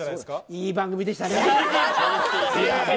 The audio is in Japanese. いい番組でしたね。